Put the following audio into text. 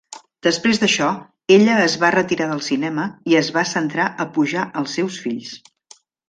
Després d'això, ella es va retirar del cinema i es va centrar a pujar el seus fills.